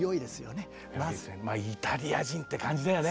まあイタリア人って感じだよね。